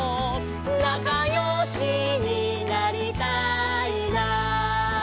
「なかよしになりたいな」